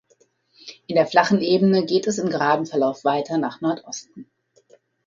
In der flachen Ebene geht es in geradem Verlauf weiter nach Nordosten.